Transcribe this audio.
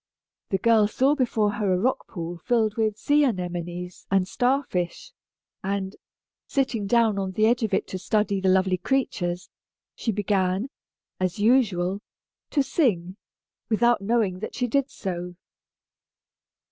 The girl saw before her a rock pool filled with sea anemones and star fish; and, sitting down on the edge of it to study the lovely creatures, she began, as usual, to sing, without knowing that she did so.